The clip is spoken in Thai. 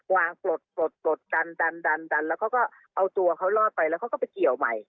วางปลดปลดปลดดันแล้วก็เอาตัวเขาลอดไปแล้วก็ไปเกี่ยวใหม่